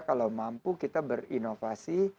kalau mampu kita berinovasi